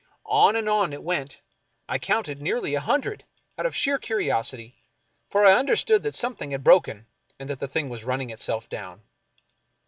On and on it went. I counted nearly a hundred, out of sheer curiosity, for I understood that something had broken and that the thing was running itself down.